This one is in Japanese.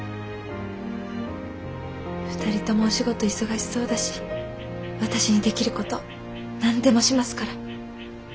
２人ともお仕事忙しそうだし私にできる事何でもしますから。